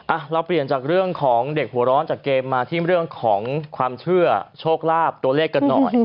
เราเปลี่ยนจากเรื่องของเด็กหัวร้อนจากเกมมาที่เรื่องของความเชื่อโชคลาภตัวเลขกันหน่อย